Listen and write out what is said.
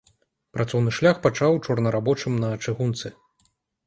Працоўны шлях пачаў чорнарабочым на чыгунцы.